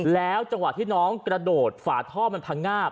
แล้วจังหวะที่น้องกระโดดฝาท่อมันพังงาบ